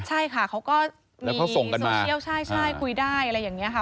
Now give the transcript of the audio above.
ใช่ค่ะเขาก็ส่งกันโซเชียลใช่คุยได้อะไรอย่างนี้ค่ะ